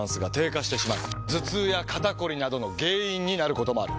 頭痛や肩こりなどの原因になることもある。